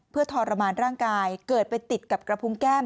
เพื่อทรมานร่างกายเกิดไปติดกับกระพุงแก้ม